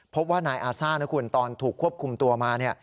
เพราะว่านายอาซ่าตอนถูกควบคุมตัวมา